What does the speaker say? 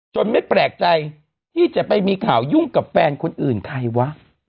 ไม่แปลกใจที่จะไปมีข่าวยุ่งกับแฟนคนอื่นใครวะ